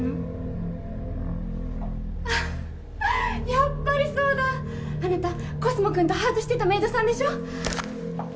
やっぱりそうだあなたコスモくんとハートしてたメイドさんでしょ？